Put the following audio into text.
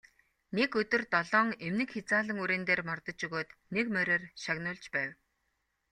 Нэг өдөр долоон эмнэг хязаалан үрээн дээр мордож өгөөд нэг мориор шагнуулж байв.